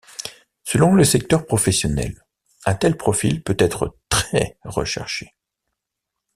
Selon le secteur professionnel, un tel profil peut être très recherché.